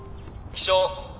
起床。